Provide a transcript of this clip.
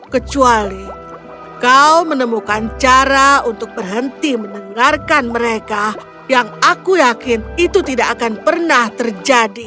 kecuali kau menemukan cara untuk berhenti mendengarkan mereka yang aku yakin itu tidak akan pernah terjadi